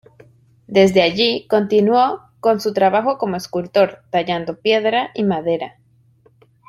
Desde allí continuó con su trabajo como escultor, tallando piedra y madera.